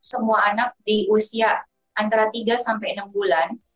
semua anak di usia antara tiga sampai enam bulan